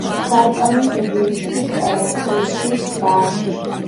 სარკმლის ძირში ტრაპეზის ქვაა.